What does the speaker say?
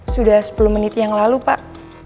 sudah sepuluh menit yang lalu pak